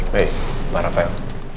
weh pak rafael